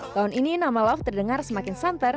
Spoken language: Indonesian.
tahun ini nama love terdengar semakin santer